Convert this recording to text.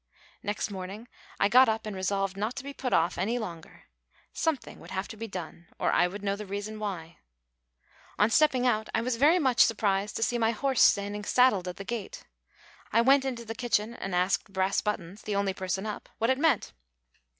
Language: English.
Next morning I got up resolved not to be put off any longer. Something would have to be done, or I would know the reason why. On stepping out I was very much surprised to see my horse standing saddled at the gate. I went into the kitchen and asked Brass Buttons, the only person up, what it meant.